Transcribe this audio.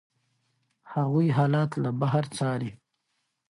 هغوی حالات له بهر څاري.